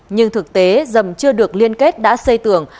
nhưng thực tế dầm chưa được liên kết đã xây tường